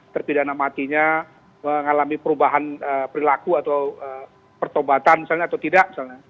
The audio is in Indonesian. terpidana matinya mengalami perubahan perilaku atau pertobatan misalnya atau tidak misalnya